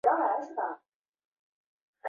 横板为扁平状或凹形。